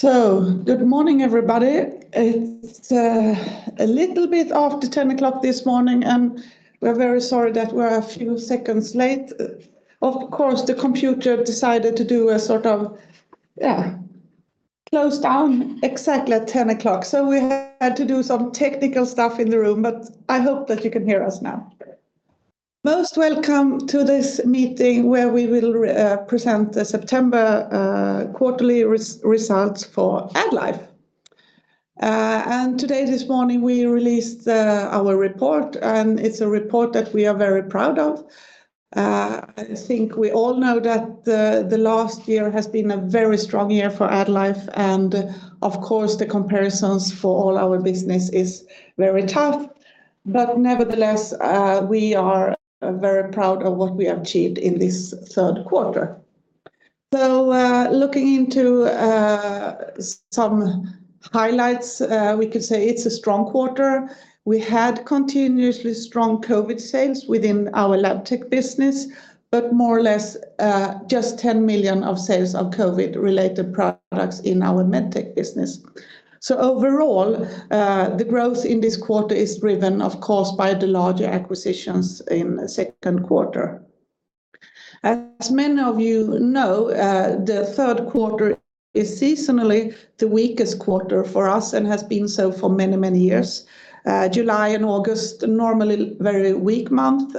Good morning, everybody. It's a little bit after 10:00 AM this morning. We're very sorry that we're a few seconds late. Of course, the computer decided to do a close down exactly at 10:00 AM. We had to do some technical stuff in the room. I hope that you can hear us now. Most welcome to this meeting where we will present the September quarterly results for AddLife. This morning we released our report. It's a report that we are very proud of. I think we all know that the last year has been a very strong year for AddLife. Of course, the comparisons for all our business is very tough. Nevertheless, we are very proud of what we achieved in this third quarter. Looking into some highlights, we could say it's a strong quarter. We had continuously strong COVID sales within our Labtech business, but more or less just 10 million of sales of COVID-related products in our Medtech business. Overall, the growth in this quarter is driven, of course, by the larger acquisitions in the second quarter. As many of you know, the third quarter is seasonally the weakest quarter for us and has been so for many years. July and August are normally very weak months,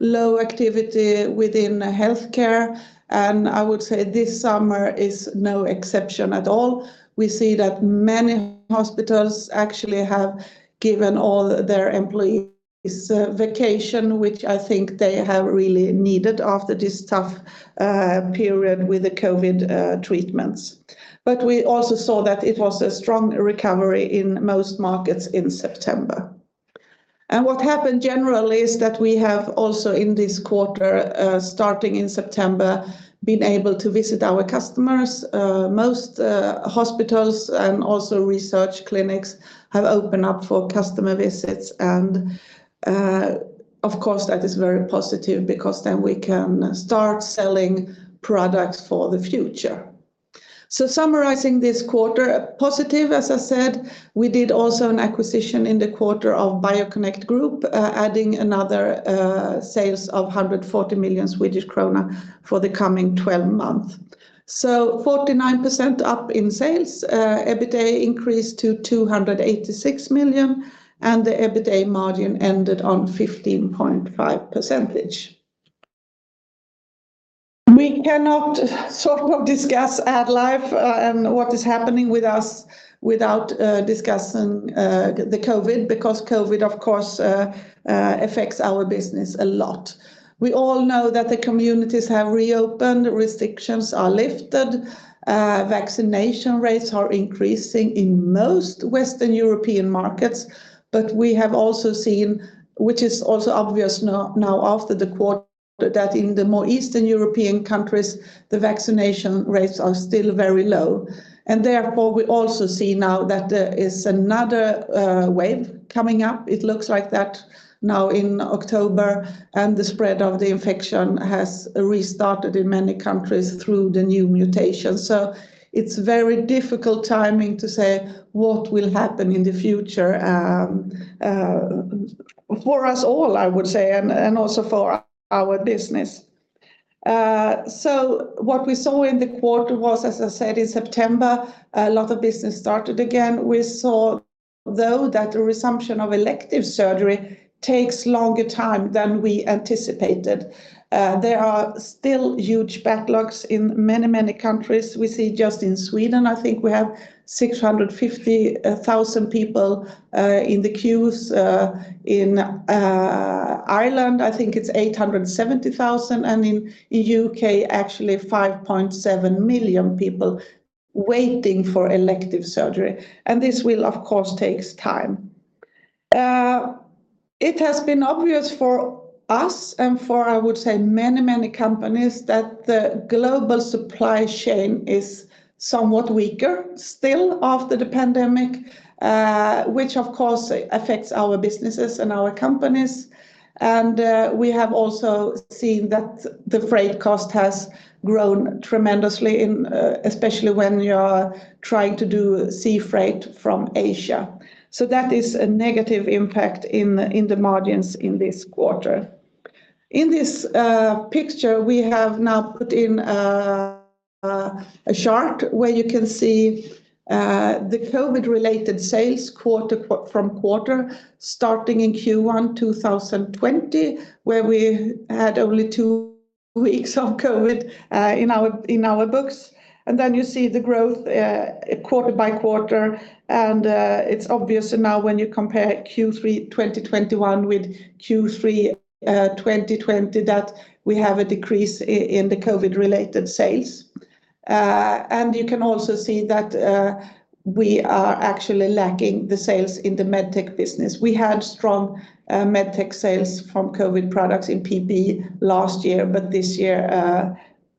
low activity within healthcare. I would say this summer is no exception at all. We see that many hospitals actually have given all their employees vacation, which I think they have really needed after this tough period with the COVID treatments. We also saw that it was a strong recovery in most markets in September. What happened generally is that we have also in this quarter, starting in September, been able to visit our customers. Most hospitals and also research clinics have opened up for customer visits and of course, that is very positive because then we can start selling products for the future. Summarizing this quarter positive, as I said, we did also an acquisition in the quarter of Bio-Connect Group, adding another sales of 140 million Swedish krona for the coming 12 months. 49% up in sales. EBITDA increased to 286 million, and the EBITDA margin ended on 15.5%. We cannot discuss AddLife and what is happening with us without discussing the COVID, because COVID, of course, affects our business a lot. We all know that the communities have reopened, restrictions are lifted, vaccination rates are increasing in most Western European markets. We have also seen, which is also obvious now after the quarter, that in the more Eastern European countries, the vaccination rates are still very low. Therefore, we also see now that there is another wave coming up. It looks like that now in October, and the spread of the infection has restarted in many countries through the new mutation. It's very difficult timing to say what will happen in the future for us all, I would say, and also for our business. What we saw in the quarter was, as I said, in September, a lot of business started again. We saw, though, that the resumption of elective surgery takes longer time than we anticipated. There are still huge backlogs in many countries. We see just in Sweden, I think we have 650,000 people in the queues. In Ireland, I think it's 870,000. In U.K., actually 5.7 million people waiting for elective surgery. This will, of course, take time. It has been obvious for us and for, I would say, many companies that the global supply chain is somewhat weaker still after the pandemic, which of course affects our businesses and our companies. We have also seen that the freight cost has grown tremendously, especially when you are trying to do sea freight from Asia. That is a negative impact in the margins in this quarter. In this picture, we have now put in a chart where you can see the COVID-related sales from quarter starting in Q1 2020, where we had only two weeks of COVID in our books. Then you see the growth quarter by quarter. It's obvious now when you compare Q3 2021 with Q3 2020 that we have a decrease in the COVID-related sales. You can also see that we are actually lacking the sales in the Medtech business. We had strong Medtech sales from COVID products in PPE last year, but this year,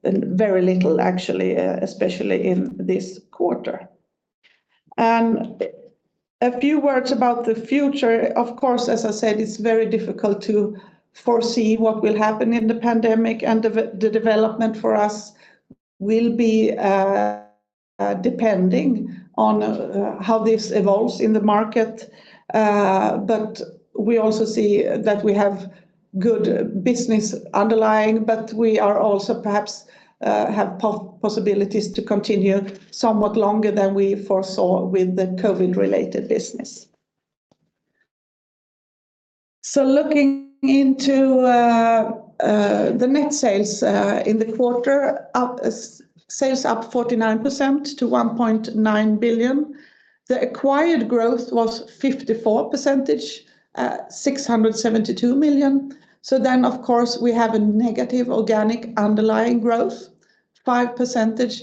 very little actually, especially in this quarter. A few words about the future. Of course, as I said, it's very difficult to foresee what will happen in the pandemic, and the development for us will be depending on how this evolves in the market. We also see that we have good business underlying, but we also perhaps have possibilities to continue somewhat longer than we foresaw with the COVID-related business. Looking into the net sales in the quarter, sales up 49% to 1.9 billion. The acquired growth was 54%, 672 million. Of course, we have a negative organic underlying growth, 5%.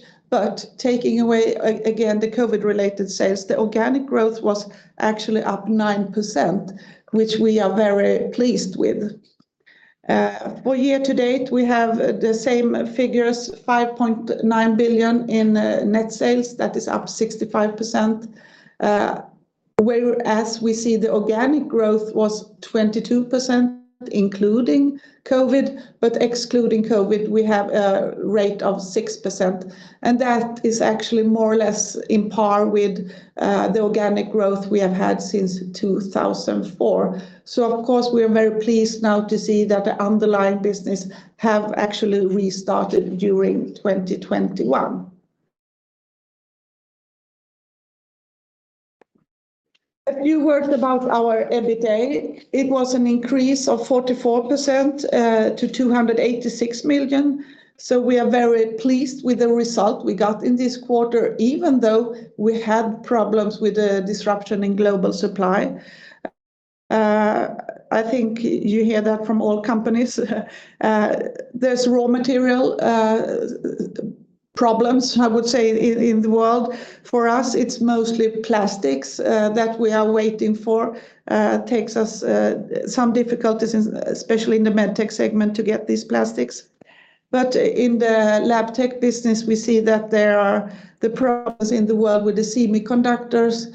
Taking away, again, the COVID-related sales, the organic growth was actually up 9%, which we are very pleased with. For year-to-date, we have the same figures, 5.9 billion in net sales. That is up 65%. We see the organic growth was 22%, including COVID, but excluding COVID, we have a rate of 6%. That is actually more or less on par with the organic growth we have had since 2004. Of course, we are very pleased now to see that the underlying business have actually restarted during 2021. A few words about our EBITDA. It was an increase of 44% to 286 million. We are very pleased with the result we got in this quarter, even though we had problems with the disruption in global supply. I think you hear that from all companies. There is raw material problems, I would say, in the world. For us, it is mostly plastics that we are waiting for. Takes us some difficulties, especially in the Medtech segment, to get these plastics. In the Labtech business, we see that there are the problems in the world with the semiconductors.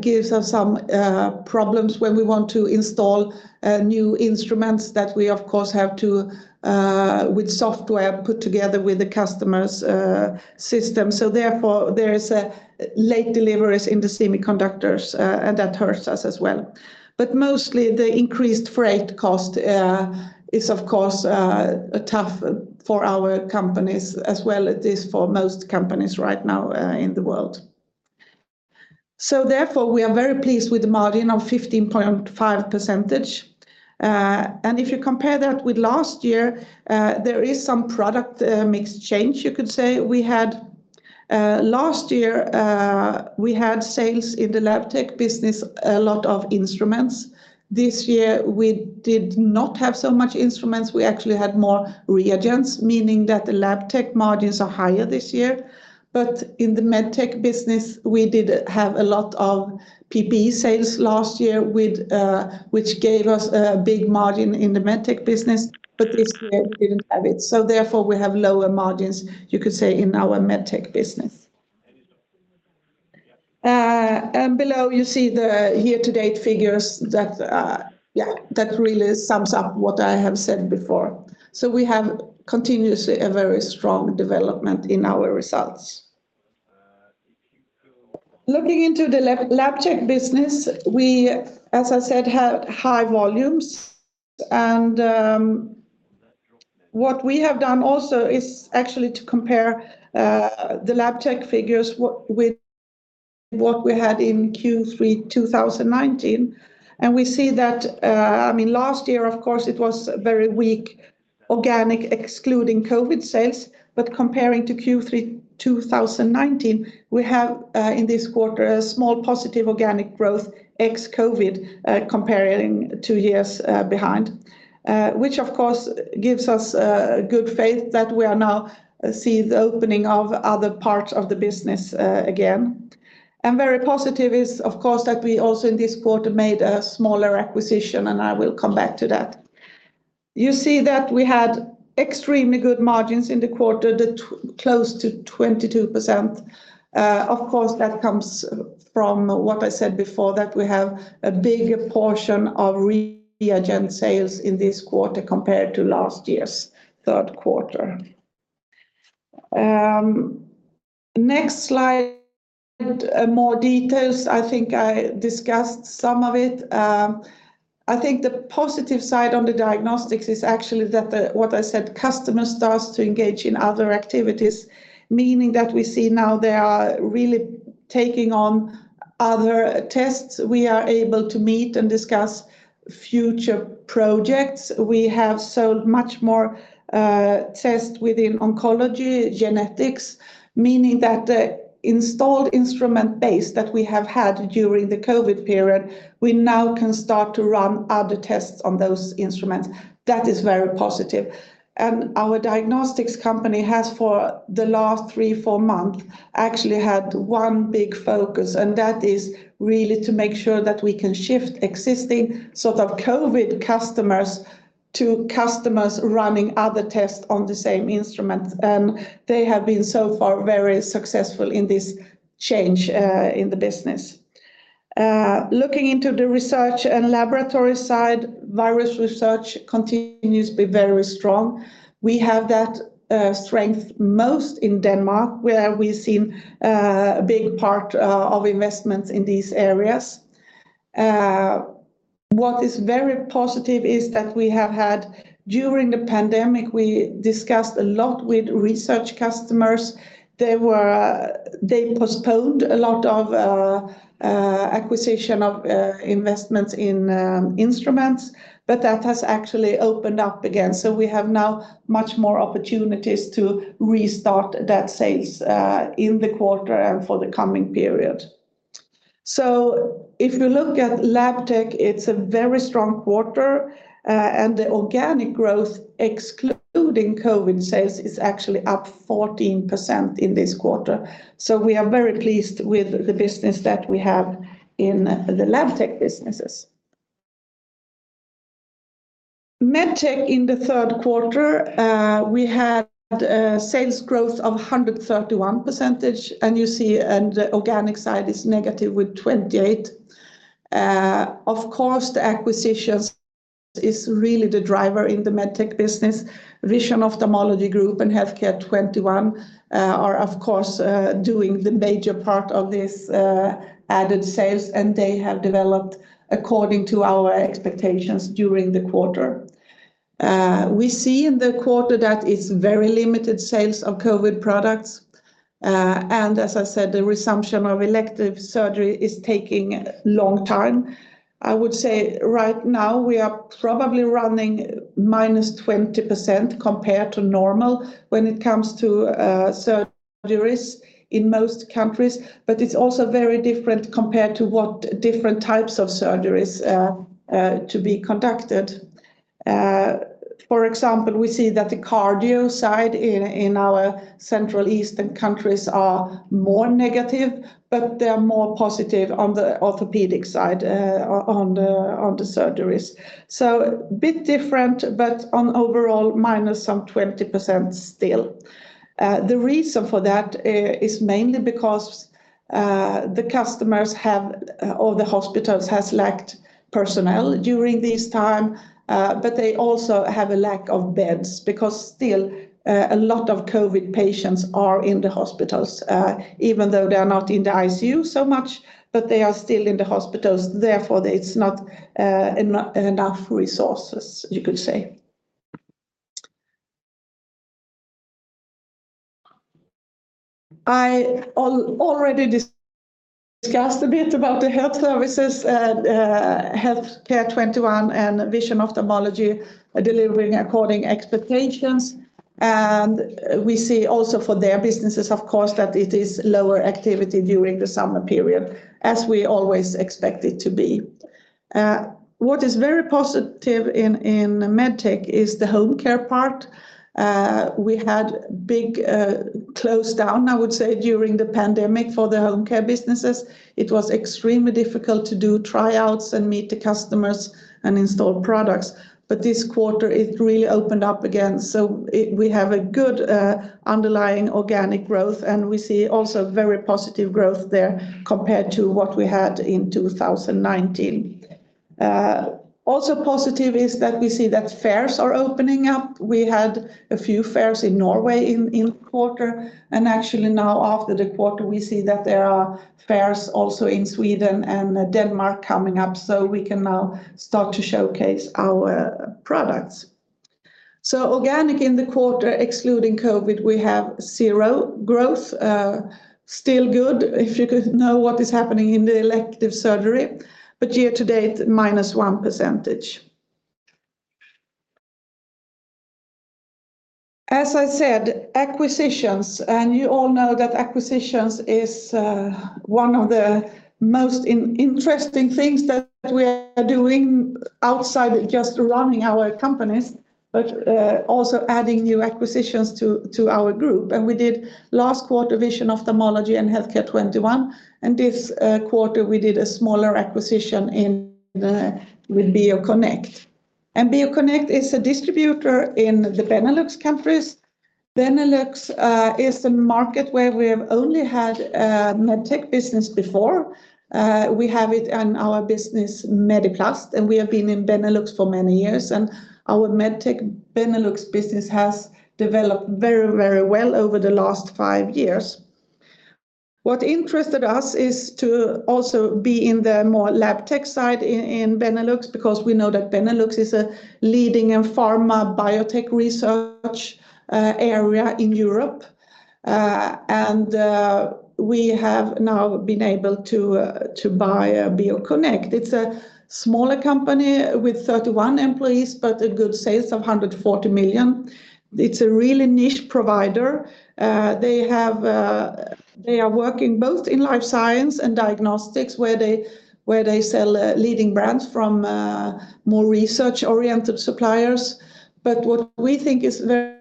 Gives us some problems when we want to install new instruments that we, of course, have to, with software, put together with the customer's system. Therefore, there is late deliveries in the semiconductors, and that hurts us as well. Mostly, the increased freight cost is, of course, tough for our companies as well as it is for most companies right now in the world. Therefore, we are very pleased with the margin of 15.5%. If you compare that with last year, there is some product mix change, you could say. Last year, we had sales in the Labtech business, a lot of instruments. This year, we did not have so much instruments. We actually had more reagents, meaning that the Labtech margins are higher this year. In the Medtech business, we did have a lot of PPE sales last year which gave us a big margin in the Medtech business, but this year we didn't have it. Therefore, we have lower margins, you could say, in our Medtech business. Below, you see the year-to-date figures that really sums up what I have said before. We have continuously a very strong development in our results. Looking into the Labtech business, we, as I said, have high volumes, what we have done also is actually to compare the Labtech figures with what we had in Q3 2019, we see that. Last year, of course, it was very weak organic, excluding COVID sales. Comparing to Q3 2019, we have, in this quarter, a small positive organic growth ex-COVID, comparing two years behind. Which, of course, gives us good faith that we are now see the opening of other parts of the business again. Very positive is, of course, that we also in this quarter made a smaller acquisition, I will come back to that. You see that we had extremely good margins in the quarter, close to 22%. Of course, that comes from what I said before, that we have a bigger portion of reagent sales in this quarter compared to last year's third quarter. Next slide, more details. I think I discussed some of it. I think the positive side on the diagnostics is actually that the, what I said, customer starts to engage in other activities, meaning that we see now they are really taking on other tests. We are able to meet and discuss future projects. We have sold much more tests within oncology, genetics, meaning that the installed instrument base that we have had during the COVID period, we now can start to run other tests on those instruments. That is very positive. Our diagnostics company has, for the last three, four months, actually had one big focus, and that is really to make sure that we can shift existing COVID customers to customers running other tests on the same instruments. They have been so far very successful in this change in the business. Looking into the research and laboratory side, virus research continues to be very strong. We have that strength most in Denmark, where we've seen a big part of investments in these areas. What is very positive is that we have had, during the pandemic, we discussed a lot with research customers. They postponed a lot of acquisition of investments in instruments, but that has actually opened up again. We have now much more opportunities to restart that sales in the quarter and for the coming period. If you look at Labtech, it's a very strong quarter, and the organic growth excluding COVID sales is actually up 14% in this quarter. We are very pleased with the business that we have in the Labtech businesses. Medtech in the third quarter, we had a sales growth of 131%, and the organic side is negative with 28%. Of course, the acquisitions is really the driver in the Medtech business. Vision Ophthalmology Group and Healthcare 21 are of course, doing the major part of this added sales, and they have developed according to our expectations during the quarter. We see in the quarter that it's very limited sales of COVID products. As I said, the resumption of elective surgery is taking a long time. I would say right now we are probably running -20% compared to normal when it comes to surgeries in most countries. It's also very different compared to what different types of surgeries to be conducted. For example, we see that the cardio side in our central eastern countries are more negative, but they are more positive on the orthopedic side on the surgeries. A bit different, but on overall, some -20% still. The reason for that is mainly because the customers have, or the hospitals, has lacked personnel during this time. They also have a lack of beds because still, a lot of COVID patients are in the hospitals, even though they are not in the ICU so much, but they are still in the hospitals. Therefore, it's not enough resources, you could say. I already discussed a bit about the health services at Healthcare 21 and Vision Ophthalmology are delivering according expectations. We see also for their businesses, of course, that it is lower activity during the summer period, as we always expect it to be. What is very positive in Medtech is the home care part. We had big closedown, I would say, during the pandemic for the home care businesses. It was extremely difficult to do tryouts and meet the customers and install products. This quarter it really opened up again. We have a good underlying organic growth, and we see also very positive growth there compared to what we had in 2019. Also positive is that we see that fairs are opening up. We had a few fairs in Norway in the quarter. Actually now after the quarter, we see that there are fairs also in Sweden and Denmark coming up, so we can now start to showcase our products. Organic in the quarter, excluding COVID, we have 0% growth. Still good if you could know what is happening in the elective surgery. Year-to-date, -1%. As I said, acquisitions, and you all know that acquisitions is one of the most interesting things that we are doing outside just running our companies, but also adding new acquisitions to our group. We did last quarter, Vision Ophthalmology and Healthcare 21. This quarter, we did a smaller acquisition with Bio-Connect. Bio-Connect is a distributor in the Benelux countries. Benelux is a market where we have only had Medtech business before. We have it in our business, Mediplast, and we have been in Benelux for many years. Our Medtech Benelux business has developed very well over the last five years. What interested us is to also be in the more Labtech side in Benelux because we know that Benelux is a leading pharma biotech research area in Europe. We have now been able to buy Bio-Connect. It's a smaller company with 31 employees, but a good sales of 140 million. It's a really niche provider. They are working both in life science and diagnostics, where they sell leading brands from more research-oriented suppliers. What we think is very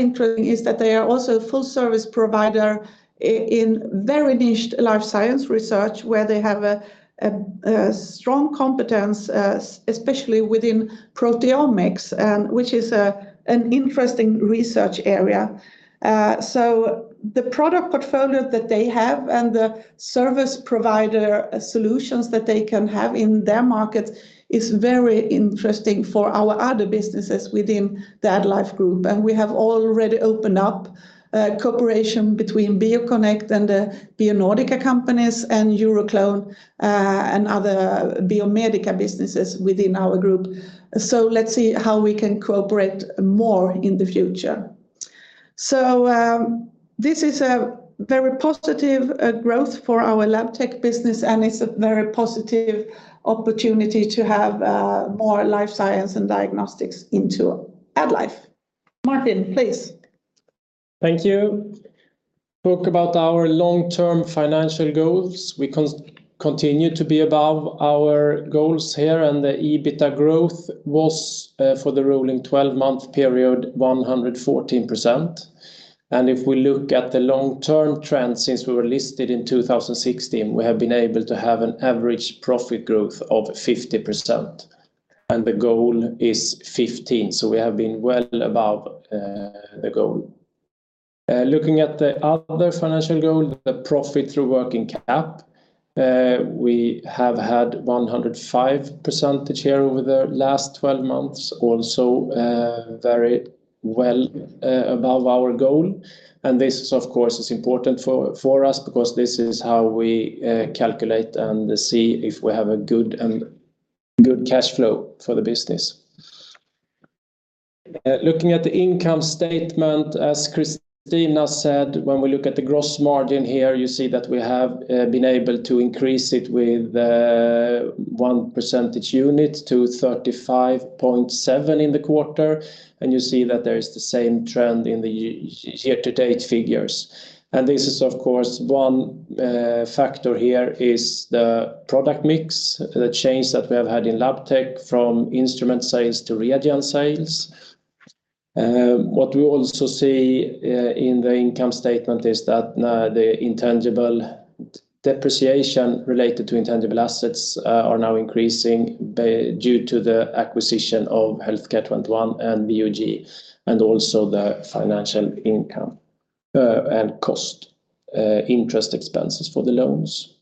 interesting is that they are also a full-service provider in very niched life science research where they have a strong competence, especially within proteomics, which is an interesting research area. The product portfolio that they have and the service provider solutions that they can have in their market is very interesting for our other businesses within the AddLife Group. We have already opened up cooperation between Bio-Connect and the BioNordika companies and EuroClone, and other Biomedica businesses within our group. Let's see how we can cooperate more in the future. This is a very positive growth for our Labtech business, and it's a very positive opportunity to have more life science and diagnostics into AddLife. Martin, please. Thank you. Talk about our long-term financial goals. We continue to be above our goals here. The EBITA growth was, for the rolling 12-month period, 114%. If we look at the long-term trend since we were listed in 2016, we have been able to have an average profit growth of 50%, and the goal is 15%. We have been well above the goal. Looking at the other financial goal, the profit through working cap, we have had 105% here over the last 12 months, also very well above our goal. This of course is important for us because this is how we calculate and see if we have a good cash flow for the business. Looking at the income statement, as Kristina said, when we look at the gross margin here, you see that we have been able to increase it with one percentage unit to 35.7% in the quarter. You see that there is the same trend in the year-to-date figures. This is of course one factor here is the product mix, the change that we have had in Labtech from instrument sales to reagent sales. What we also see in the income statement is that the intangible depreciation related to intangible assets are now increasing due to the acquisition of Healthcare 21 and VOG, and also the financial income and cost interest expenses for the loans.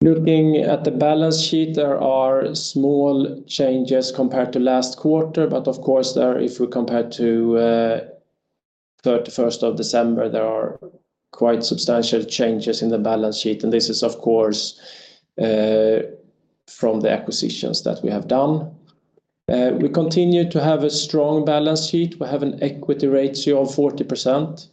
Looking at the balance sheet, there are small changes compared to last quarter, but of course there, if we compare to 31st of December, there are quite substantial changes in the balance sheet, and this is of course from the acquisitions that we have done. We continue to have a strong balance sheet. We have an equity ratio of 40%,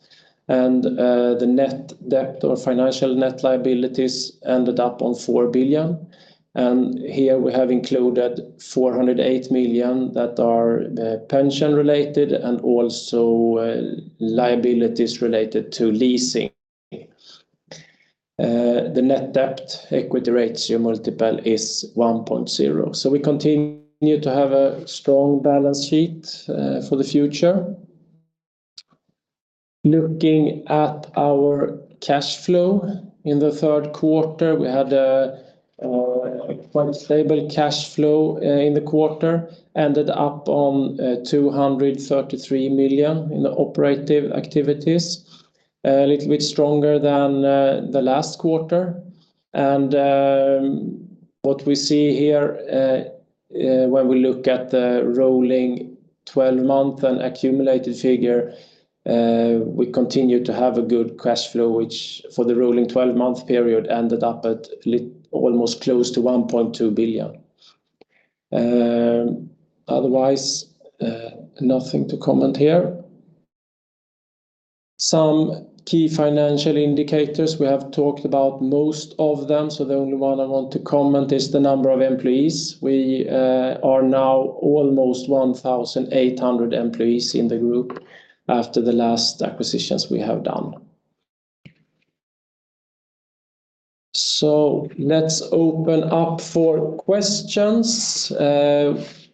and the net debt or financial net liabilities ended up on 4 billion. Here we have included 408 million that are pension related and also liabilities related to leasing. The net debt equity ratio multiple is 1.0. We continue to have a strong balance sheet for the future. Looking at our cash flow in the third quarter, we had a quite stable cash flow in the quarter, ended up on 233 million in the operative activities. A little bit stronger than the last quarter. What we see here, when we look at the rolling 12-month and accumulated figure, we continue to have a good cash flow, which for the rolling 12-month period ended up at almost close to 1.2 billion. Otherwise, nothing to comment here. Some key financial indicators, we have talked about most of them. The only one I want to comment is the number of employees. We are now almost 1,800 employees in the group after the last acquisitions we have done. Let's open up for questions. If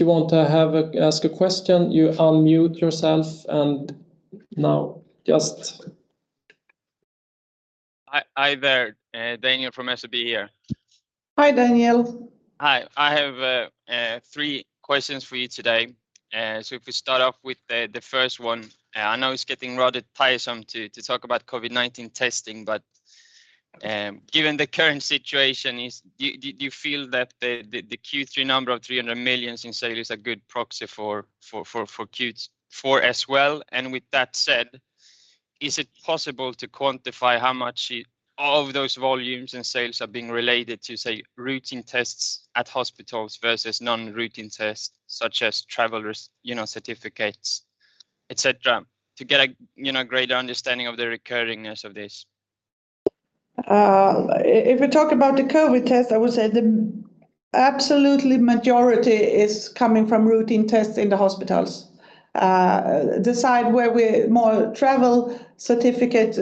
you want to ask a question, you unmute yourself and now just Hi there. Daniel from SEB here. Hi, Daniel. Hi. I have three questions for you today. If we start off with the first one. I know it's getting rather tiresome to talk about COVID-19 testing, but given the current situation, do you feel that the Q3 number of 300 million in sales is a good proxy for Q4 as well? With that said, is it possible to quantify how much of those volumes and sales are being related to, say, routine tests at hospitals versus non-routine tests such as travelers certificates, et cetera, to get a greater understanding of the recurring-ness of this? If we talk about the COVID test, I would say the absolutely majority is coming from routine tests in the hospitals. The side where we more travel certificate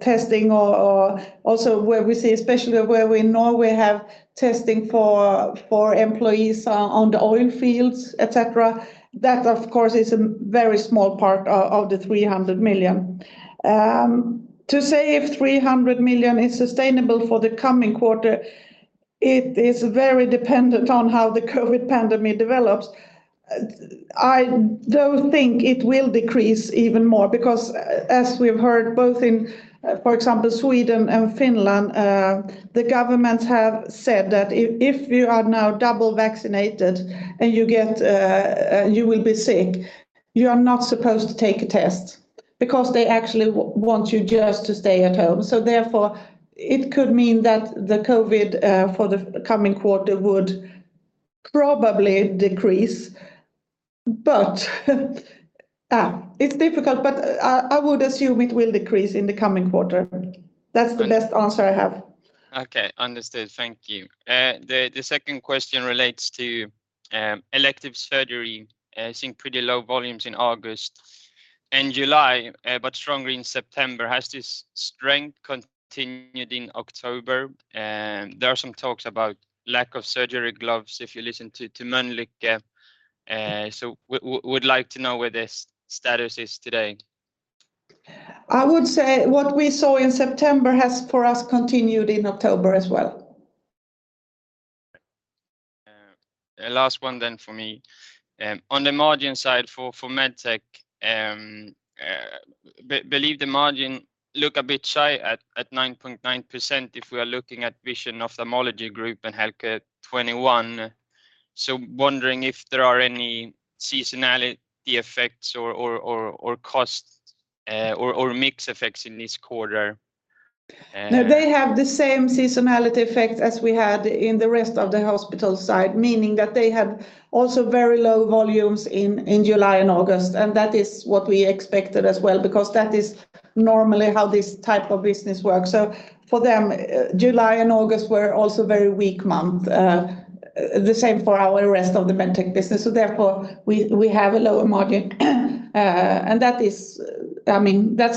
testing or also where we see, especially where we in Norway have testing for employees on the oil fields, et cetera, that of course is a very small part of the 300 million. To say if 300 million is sustainable for the coming quarter, it is very dependent on how the COVID pandemic develops. I don't think it will decrease even more because, as we've heard, both in, for example, Sweden and Finland, the governments have said that if you are now double vaccinated and you will be sick, you are not supposed to take a test because they actually want you just to stay at home. Therefore, it could mean that the COVID for the coming quarter would probably decrease. It's difficult, but I would assume it will decrease in the coming quarter. That's the best answer I have. Okay, understood. Thank you. The second question relates to elective surgery seeing pretty low volumes in August and July, but stronger in September. Has this strength continued in October? There are some talks about lack of surgery gloves if you listen to Mölnlycke. We'd like to know where the status is today. I would say what we saw in September has, for us, continued in October as well. A last one then from me. On the margin side for Medtech, believe the margin look a bit shy at 9.9% if we are looking at Vision Ophthalmology Group and Healthcare 21. Wondering if there are any seasonality effects or cost or mix effects in this quarter. They have the same seasonality effect as we had in the rest of the hospital side, meaning that they had also very low volumes in July and August. That is what we expected as well, because that is normally how this type of business works. For them, July and August were also very weak months. The same for our rest of the Medtech business. Therefore, we have a lower margin. That's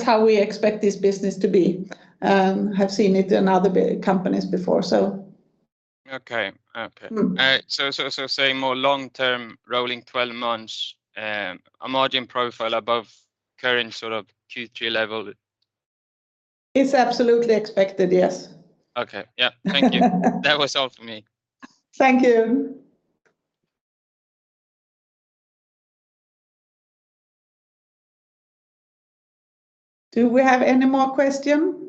how we expect this business to be. Have seen it in other big companies before. Okay. saying more long term, rolling 12 months, a margin profile above current sort of Q3 level? It's absolutely expected, yes. Okay. Yeah. Thank you. That was all for me. Thank you. Do we have any more question?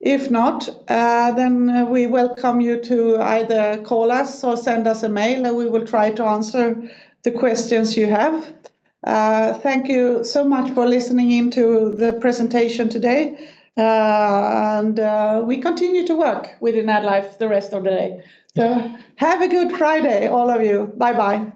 If not, we welcome you to either call us or send us an email and we will try to answer the questions you have. Thank you so much for listening in to the presentation today, and we continue to work within AddLife the rest of the day. Have a good Friday, all of you. Bye-bye.